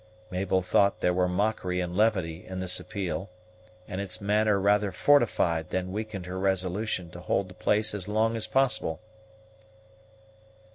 Mabel thought there were mockery and levity in this appeal, and its manner rather fortified than weakened her resolution to hold the place as long as possible.